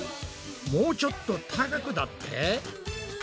もうちょっと高くだって？